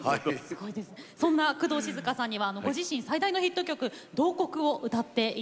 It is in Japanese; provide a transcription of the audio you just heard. そんな工藤静香さんにはご自身最大のヒット曲「慟哭」を歌っていただきます。